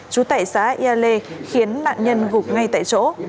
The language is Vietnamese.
chú tệ xã yale khiến nạn nhân gục ngay tại chỗ